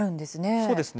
そうですね。